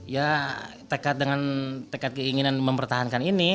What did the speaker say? ya tekat keinginan mempertahankan ini